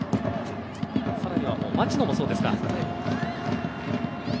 さらには町野もそうですか。